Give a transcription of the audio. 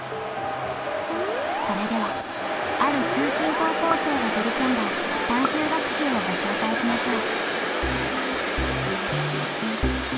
それではある通信高校生が取り組んだ探究学習をご紹介しましょう。